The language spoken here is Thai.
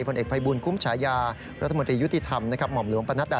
ผลเอกภัยบูญกุมชายารัฐมนตรายุติธรรมหม่อหม่อมล